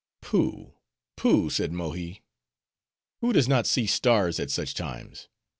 "Pooh, pooh!" said Mohi, "who does not see stars at such times?